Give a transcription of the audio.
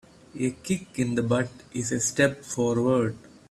A kick in the butt is a step forward.